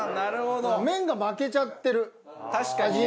麺が負けちゃってる味に。